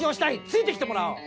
ついてきてもらおう。